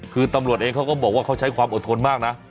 คือตำรวจเองเขาก็บอกว่าเขาใช้ความอดทนมากนะ